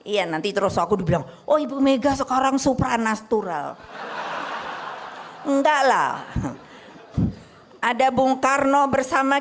iya nanti terus aku juga oh ibu mega sekarang supra nastural enggan lalang ada bung karno bersama